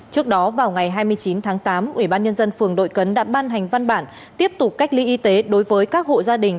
trước đó vào ngày hai mươi chín tháng tám ủy ban nhân dân phường đội cấn đã ban hành văn bản tiếp tục cách ly y tế đối với các hộ gia đình